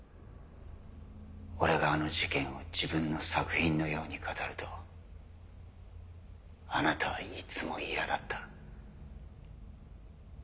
俺があの事件を自分の作品のように語るとあなたはいつも苛立った。